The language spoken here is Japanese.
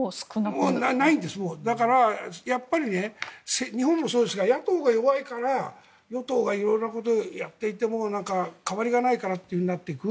だから、やっぱり日本もそうですが野党が弱いから与党が色んなことをやっていても代わりがないからとなっていく。